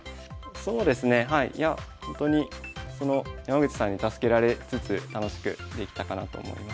そうですねはいいやほんとに山口さんに助けられつつ楽しくできたかなと思います。